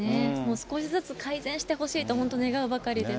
少しずつ改善してほしいと本当願うばかりです。